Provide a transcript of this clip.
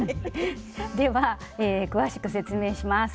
では詳しく説明します。